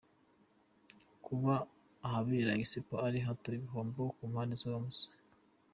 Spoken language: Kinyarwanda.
Kuba ahabera Expo ari hato, igihombo ku mpande zose.